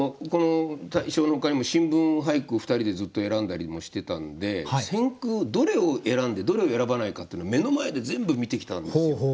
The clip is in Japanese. この大賞のほかにも新聞俳句を２人でずっと選んだりもしてたんで選句をどれを選んでどれを選ばないかっていうのを目の前で全部見てきたんですよ。